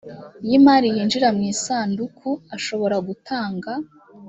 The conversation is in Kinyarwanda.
y imari yinjira mu isanduku ashobora gutanga